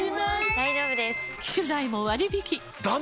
大丈夫です！